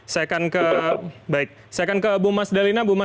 saya akan ke bu mas dalina